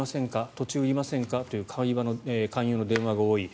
土地売りませんか？という勧誘の電話が多い。